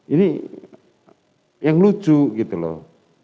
ini yang lucu gitu loh